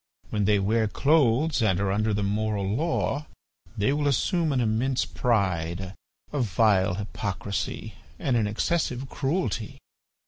When they wear clothes and are under the moral law they will assume an immense pride, a vile hypocrisy, and an excessive cruelty."